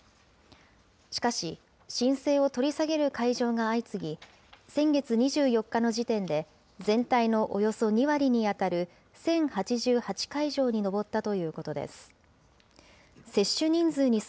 しかし、申請を取り下げる会場が相次ぎ、先月２４日の時点で、全体のおよそ２割に当たる１０８８会場に上ったということです。